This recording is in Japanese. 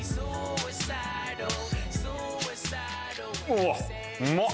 うわっ！